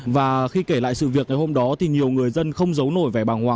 và khi kể lại sự việc ngày hôm đó thì nhiều người dân không giấu nổi về bà nguyễn